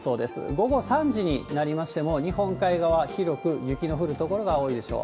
午後３時になりましても、日本海側、広く雪の降る所が多いでしょう。